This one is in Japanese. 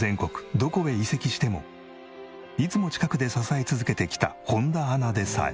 どこへ移籍してもいつも近くで支え続けてきた本田アナでさえ。